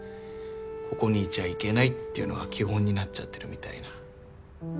ここにいちゃいけないっていうのが基本になっちゃってるみたいな。